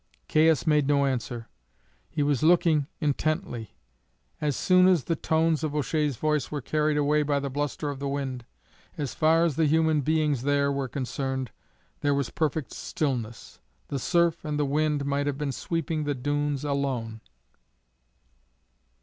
Caius made no answer. He was looking intently. As soon as the tones of O'Shea's voice were carried away by the bluster of the wind, as far as the human beings there were concerned there was perfect stillness; the surf and the wind might have been sweeping the dunes alone.